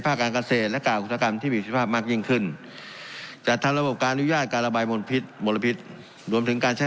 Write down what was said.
แปลงพฤติกรรมของผู้เกาะบริพิธธิ์